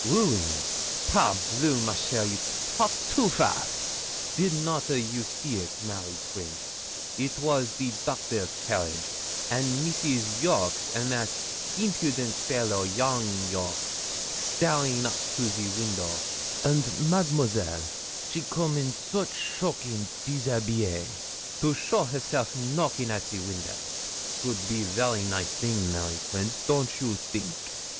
'Rueen! Par bleu! ma chère, you talk too fast. Did not a you see it, Mary Queence? It was the doctor's carriage, and Mrs. Jolks, and that eempudent faylow, young Jolks, staring up to the window, and Mademoiselle she come in soche shocking déshabille to show herself knocking at the window. 'Twould be very nice thing, Mary Queence, don't you think?'